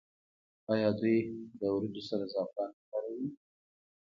آیا دوی له وریجو سره زعفران نه کاروي؟